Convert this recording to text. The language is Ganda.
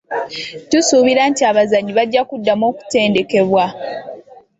Tusuubira nti abazannyi bajja kuddamu okutendekebwa.